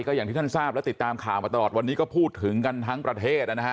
อย่างที่ท่านทราบและติดตามข่าวมาตลอดวันนี้ก็พูดถึงกันทั้งประเทศนะฮะ